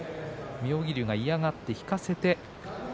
妙義龍が嫌がって引かせて